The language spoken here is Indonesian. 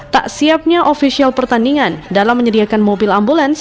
tak siapnya ofisial pertandingan dalam menyediakan mobil ambulans